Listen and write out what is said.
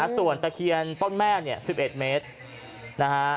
ส่วนตะเคียนต้นแม่เนี่ย๑๑เมตรนะฮะ